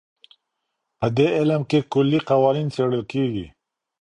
په دې علم کې کلي قوانین څېړل کېږي.